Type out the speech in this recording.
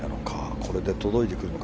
これで届いてくるのか。